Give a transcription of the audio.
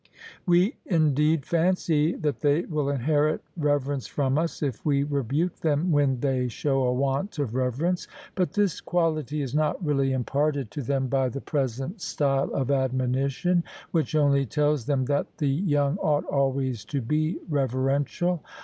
We, indeed, fancy that they will inherit reverence from us, if we rebuke them when they show a want of reverence. But this quality is not really imparted to them by the present style of admonition, which only tells them that the young ought always to be reverential.